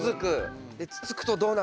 つつくとどうなる？